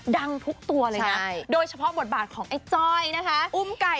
ดังทุกตัวเลยนะโดยเฉพาะบทบาทของไอ้จ้อยนะคะอุ้มไก่